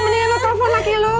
mendingan lu telfon laki lu